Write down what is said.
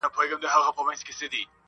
جهانګير ته په جاموکي -